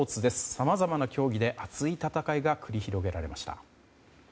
さまざまな競技で熱い戦いが繰り広げられました。